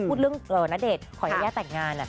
พูดเรื่องณเดชน์ขออนุญาตแต่งงาน